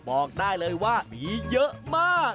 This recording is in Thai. บอกได้เลยว่ามีเยอะมาก